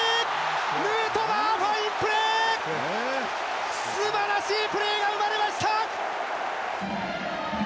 ヌートバー、ファインプレー、すばらしいプレーが生まれました。